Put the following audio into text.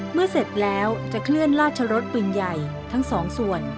เสร็จแล้วจะเคลื่อนราชรสปืนใหญ่ทั้งสองส่วน